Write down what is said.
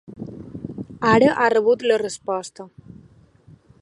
Ara ha rebut la resposta.